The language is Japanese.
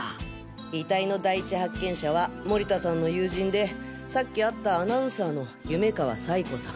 遺体の第一発見者は盛田さんの友人でさっき会ったアナウンサーの夢川彩子さん。